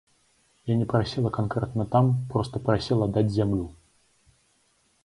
Я не прасіла канкрэтна там, проста прасіла даць зямлю.